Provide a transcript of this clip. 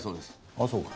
ああそうか。